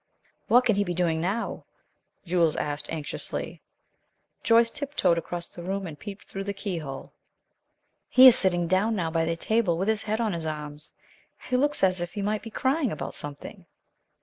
"What can he be doing now?" Jules asked, anxiously. Joyce tiptoed across the room, and peeped through the keyhole. "He is sitting down now, by the table, with his head on his arms. He looks as if he might be crying about something."